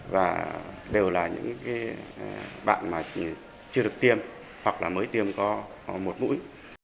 và đều là những cái bạn mà chưa được tiêm hoặc là mới tiêm có một mũi